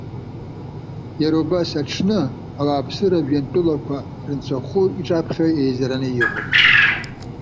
Иара убри аҽны, ауааԥсыра жәҩантәылақәа рынцәахәы иҿаԥхьа иеизараны иҟоуп.